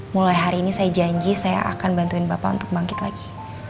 mulai hari ini saya janji saya akan bantuin bapak untuk bangkit lagi